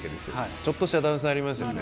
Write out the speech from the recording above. ちょっとした段差ありますよね。